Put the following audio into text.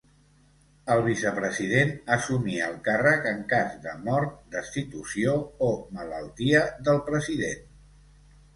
El vicepresident assumia el càrrec en cas de mort, destitució o malaltia del president.